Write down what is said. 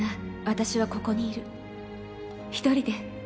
私はここにいる１人で」